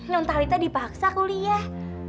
nontalita dipaksa kuliah